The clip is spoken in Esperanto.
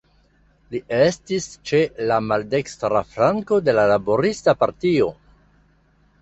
Li estis ĉe la maldekstra flanko de la Laborista Partio.